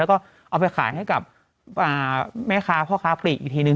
แล้วก็เอาไปขายให้กับแม่ค้าพ่อค้าปลีกอีกทีนึง